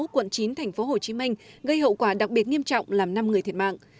quận chín tp hcm gây hậu quả đặc biệt nghiêm trọng làm năm người thiệt mạng